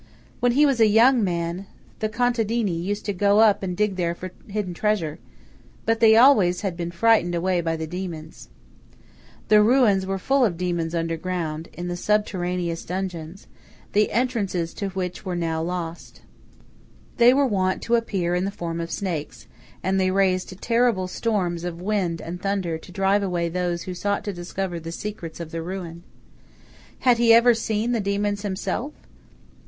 When he was a young man, the contadini used to go up and dig there for hidden treasure; but they had always been frightened away by the demons. The ruins were full of demons underground, in the subterraneous dungeons, the entrances to which were now lost. They were wont to appear in the form of snakes, and they raised terrible storms of wind and thunder to drive away those who sought to discover the secrets of the ruin. Had he ever seen the demons himself?